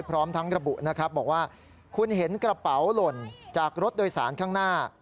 พร้อมทั้งระบุนะครับบอกว่าคุณเห็นกระเป๋าหล่นจากรถโดยสารข้างหน้า